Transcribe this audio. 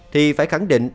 thì phải khẳng định